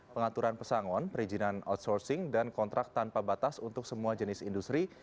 pengaturan pesangon perizinan outsourcing dan kontrak tanpa batas untuk semua jenis industri